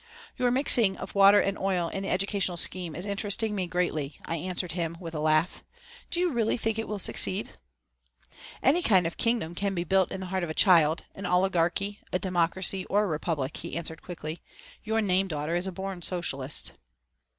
"Your mixing of water and oil in the educational scheme is interesting me greatly," I answered him with a laugh. "Do you really think it will succeed?" "Any kind of kingdom can be built in the heart of a child, an oligarchy, a democracy or a republic," he answered quickly. "Your name daughter is a born socialist."